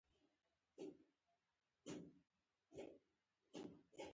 بغلان پوهنتون د هیواد یو ملي ښوونیز مرکز دی